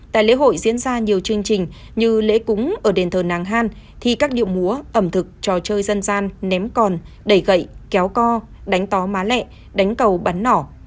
tại lễ hội diễn ra nhiều chương trình như lễ cúng ở đền thờ nàng han thi các điệu múa ẩm thực trò chơi dân gian ném còn đẩy gậy kéo co đánh tó má lẹ đánh cầu bắn nỏ